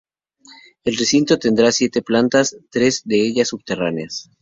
El recinto tendrá siete plantas, tres de ellas subterráneas.